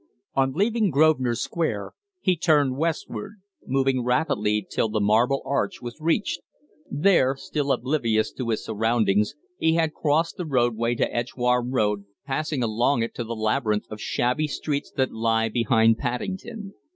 On leaving Grosvenor Square he had turned westward, moving rapidly till the Marble Arch was reached; there, still oblivious to his surroundings, he had crossed the roadway to the Edgware Road, passing along it to the labyrinth of shabby streets that lie behind Paddington.